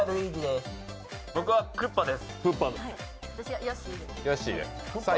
僕はクッパです。